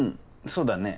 そうだね。